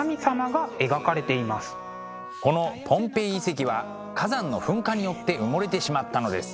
このポンペイ遺跡は火山の噴火によって埋もれてしまったのです。